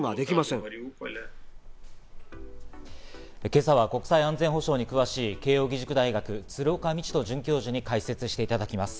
今朝は国際安全保障に詳しい慶應義塾大学・鶴岡路人准教授に解説していただきます。